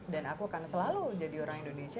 dan aku akan selalu jadi orang indonesia